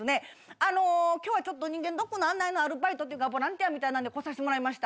あの今日はちょっと人間ドックの案内のアルバイトっていうかボランティアみたいなんで来さしてもらいました。